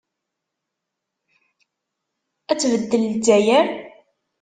Ad tbeddel Lezzayer?